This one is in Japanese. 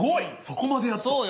そこまでやったの。